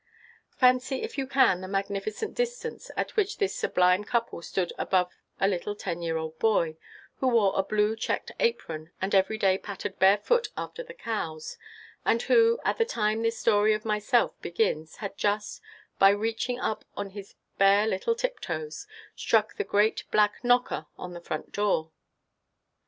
Fancy if you can the magnificent distance at which this sublime couple stood above a little ten year old boy, who wore a blue checked apron, and every day pattered barefoot after the cows, and who, at the time this story of myself begins, had just, by reaching up on his little bare tiptoes, struck the great black knocker on their front door.